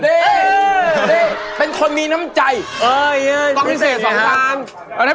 เฮ้ยเป็นคนมีน้ำใจพิเศษ๒จานเอาได้เป็น๒จานเยอะกว่านี้อีกแล้วครับ